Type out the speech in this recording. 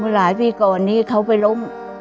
หลายปีก่อนนี้เขาไปล้ม